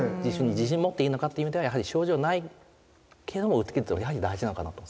自信持っていいのかという意味ではやはり症状ないけども受けるとやはり大事なのかなと。